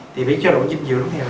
thì biết cho đủ dinh dưỡng thì